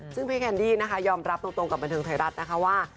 ซึ่งพี่แคนดี้นะคะยอมรับตรงกับบันเทิงไทยรัฐนะคะว่า